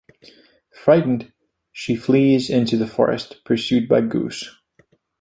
Frightened, she flees into the forest, pursued by Gus.